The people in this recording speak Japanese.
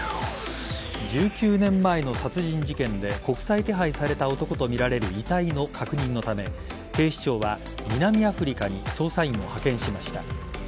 １９年前の殺人事件で国際手配された男とみられる遺体の確認のため警視庁は南アフリカに捜査員を派遣しました。